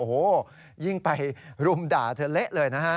โอ้โหยิ่งไปรุมด่าเธอเละเลยนะฮะ